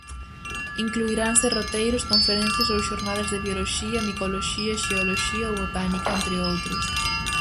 Incluiranse roteiros, conferencias ou xornadas de bioloxía, micoloxía, xeoloxía ou botánica, entre outros.